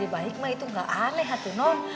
baik mah itu gak aneh hati non